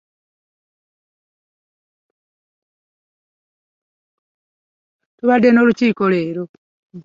Tubadde n'olukiiko leero.